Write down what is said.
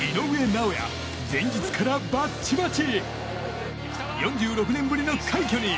尚弥前日からバッチバチ！